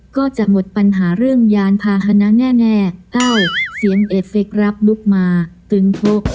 ก็จะหมดปัญหาเรื่องยานพาหนะแน่เอ้าเสียงเอฟเฟครับลุกมาตึงพก